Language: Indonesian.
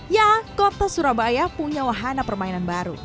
ya kota surabaya punya wahana permainan baru